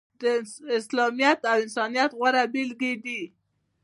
د اسلامیت او انسانیت غوره بیلګې دي.